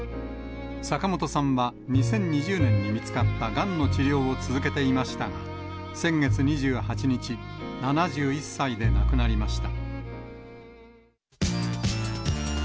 坂本さんは、２０２０年に見つかったがんの治療を続けていましたが、先月２８日、７１歳で亡くなりました。